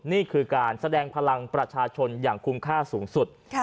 นี่คือการแสดงพลังประชาชนอย่างคุ้มค่าสูงสุด